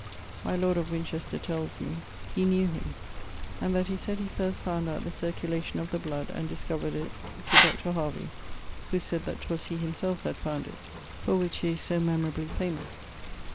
My lord of Winchester tells me he knew him, and that he saide he first fownd out the cerculation of the blood, and discover'd it Doʳ Haruie (who said that 'twas he (himselfe) that found it), for which he is so memorably famose.